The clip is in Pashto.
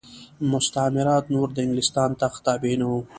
مستعمرات نور د انګلستان تخت تابع نه وو.